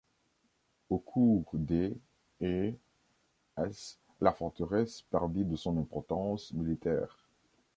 Au cours des et s, la forteresse perdit de son importance militaire.